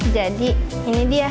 jadi ini dia